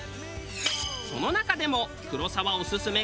その中でも黒沢オススメが。